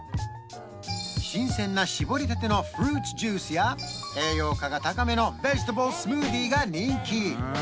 新鮮な搾りたてのフルーツジュースや栄養価が高めのベジタブルスムージーが人気！